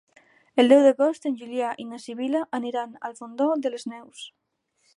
El deu d'agost en Julià i na Sibil·la aniran al Fondó de les Neus.